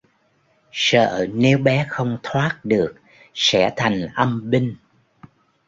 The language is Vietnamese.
Sợ nếu bé không thoát được sẽ thành âm binh